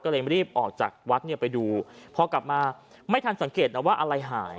ก็เลยรีบออกจากวัดเนี่ยไปดูพอกลับมาไม่ทันสังเกตนะว่าอะไรหาย